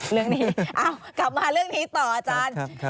เรื่องนี้กลับมาเรื่องนี้ต่ออาจารย์